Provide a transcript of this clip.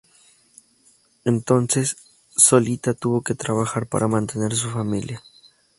Entonces, Solita tuvo que trabajar para mantener a su familia.